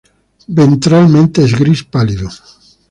Ventralmente es gris pálido.